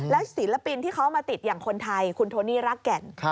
ศิลปินที่เขามาติดอย่างคนไทยคุณโทนี่รักแก่น